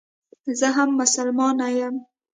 زه هم مسلمانه یم.